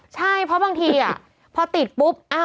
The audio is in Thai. ใช่เพราะบางทีพอติดปุ๊บ